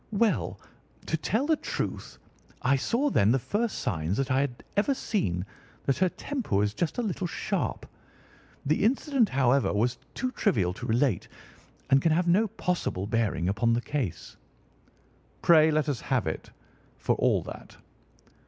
"Well, to tell the truth, I saw then the first signs that I had ever seen that her temper was just a little sharp. The incident however, was too trivial to relate and can have no possible bearing upon the case." "Pray let us have it, for all that."